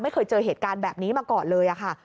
ไม่เคยเจอเหตุการณ์แบบนี้มาก่อนเลยค่ะ